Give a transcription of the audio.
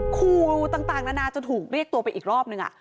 ครูต่างนานาจนถูกเรียกตัวไปอีกรอบนึง